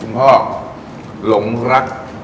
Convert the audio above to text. คุณบอกลงรัก